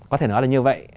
có thể nói là như vậy